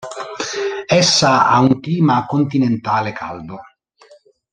Essa ha un clima continentale caldo.